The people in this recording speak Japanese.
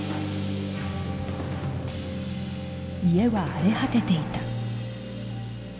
家は荒れ果てていた